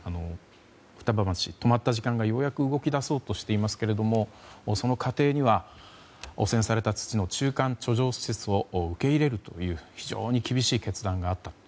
双葉町、止まった時間がようやく動き出そうとしていますけれどもその過程には汚染された土の中間貯蔵施設を受け入れるという非常に厳しい決断があった。